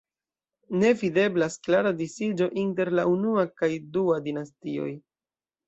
Ne videblas klara disiĝo inter la unua kaj dua dinastioj.